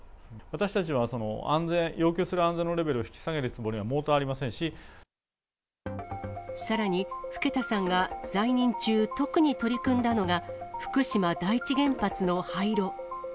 私たちは要求する安全のレベルを引き下げるつもりは毛頭ありませさらに、更田さんが在任中、特に取り組んだのが、福島第一原発の廃炉。